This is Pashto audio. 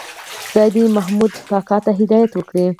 خدای دې محمود کاکا ته هدایت وکړي.